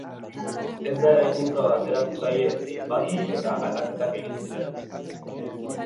Ez da eraikuntza bateratzaile bat, eta aldaketak egin ziren.